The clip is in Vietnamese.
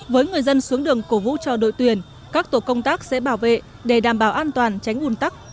với người dân xuống đường cổ vũ cho đội tuyển các tổ công tác sẽ bảo vệ để đảm bảo an toàn tránh ủn tắc